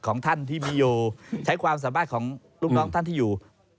ของท่านที่มีอยู่ใช้ความสามารถของลูกน้องท่านที่อยู่